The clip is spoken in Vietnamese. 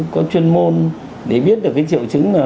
có chuyên môn để biết được cái triệu chứng